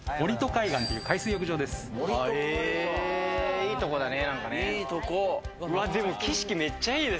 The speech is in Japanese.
いいところだね。